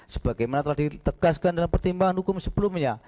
sebagaimana telah ditegaskan dalam pertimbangan hukum sebelumnya